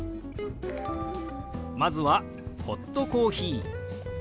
まずは「ホットコーヒー」。